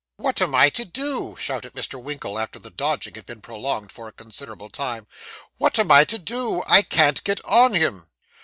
'What am I to do?' shouted Mr. Winkle, after the dodging had been prolonged for a considerable time. 'What am I to do? I can't get on him.